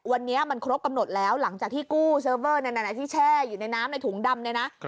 วันนี้มันครบกำหนดแล้วหลังจากที่กู้เซิร์ฟเวอร์นั้นที่แช่อยู่ในน้ำในถุงดำเนี่ยนะ